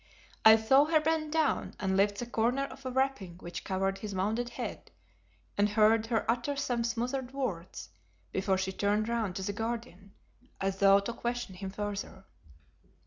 I saw her bend down and lift the corner of a wrapping which covered his wounded head, and heard her utter some smothered words before she turned round to the Guardian as though to question him further.